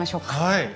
はい！